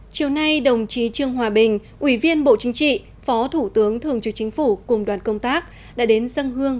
chiều nay đồng chí trương hòa bình ủy viên bộ chính trị phó thủ tướng thường trực chính phủ cùng đoàn công tác đã đến dân hương